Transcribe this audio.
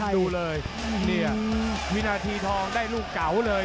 ดูเลยเนี่ยวินาทีทองได้ลูกเก๋าเลย